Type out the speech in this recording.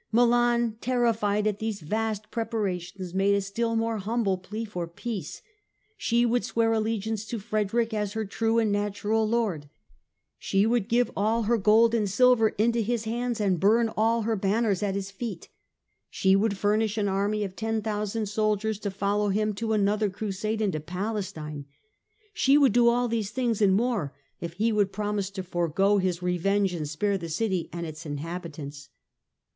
Milan, terrified at these vast preparations, made a still more humble plea for peace. She would swear allegiance to Frederick as her true and natural Lord : she would give all her gold and silver into his hands and burn all her banners at his feet : she would furnish an army of 10,000 soldiers to follow him to another Crusade into Palestine ; she would do all these things and more if he would promise to forgo his revenge and spare the city and its inhabitants.